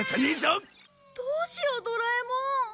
どうしようドラえもん。